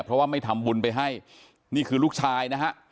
เพราะว่าไม่ทำบุญไปให้นี่คือลูกชายนะฮะ